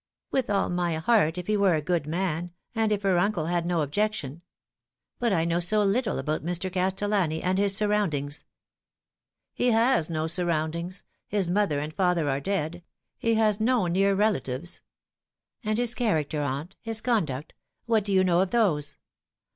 " With all my heart, if he were a good man, and if her uncle had no objection. But I know so little about Mr. Castellan! and his surroundings." " He has no surroundings his mother and father are dead. He has no near relatives." Higher Views. 199 " And his character, aunt ; his conduct ? What do you know of those